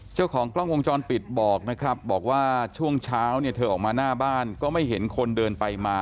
เจ้าของกล้องวงจรปิดบอกนะครับบอกว่าช่วงเช้าเนี่ยเธอออกมาหน้าบ้านก็ไม่เห็นคนเดินไปมา